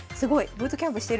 ブートキャンプしてる。